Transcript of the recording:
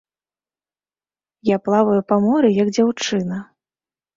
Я плаваю па моры, як дзяўчына.